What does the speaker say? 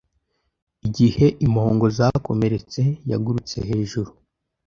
Igihe impongo zakomeretse yagurutse hejuru